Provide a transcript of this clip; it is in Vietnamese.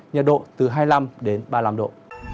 nhiệt độ từ hai mươi năm đến ba mươi năm độ